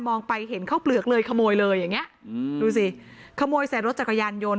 ไปเห็นเข้าเปลือกเลยขโมยเลยอย่างเงี้อืมดูสิขโมยใส่รถจักรยานยนต